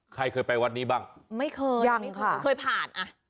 ใครเคยไปวัดนี้บ้างไม่เคยยังไม่เคยผ่านอ่ะ